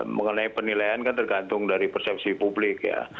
mengenai penilaian kan tergantung dari persepsi publik ya